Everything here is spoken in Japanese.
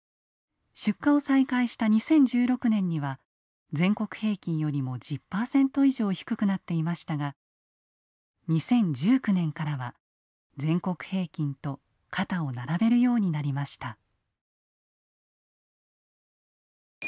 出荷を再開した２０１６年には全国平均よりも１０％以上低くなっていましたが２０１９年からは全国平均と肩を並べるようになりました。